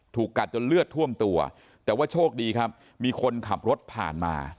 ถูกกัดจนเลือดท่วมตัวแต่ว่าโชคดีครับมีคนขับรถผ่านมา